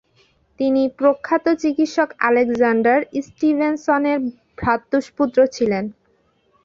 তিনি প্রখ্যাত চিকিৎসক আলেকজান্ডার স্টিভেনসনের ভ্রাতুষ্পুত্র ছিলেন।